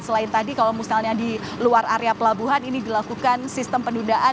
selain tadi kalau misalnya di luar area pelabuhan ini dilakukan sistem penundaan